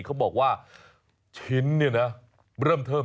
เขาบอกว่าชิ้นเนี่ยนะเริ่มเทิม